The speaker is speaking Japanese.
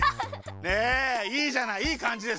ねえいいじゃないいいかんじです。